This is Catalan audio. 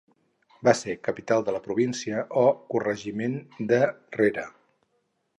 Va ser capital de la província o Corregiment de Rere.